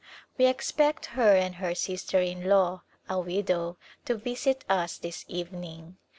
We expect her and her sister in law — a widow — to visit us this evening.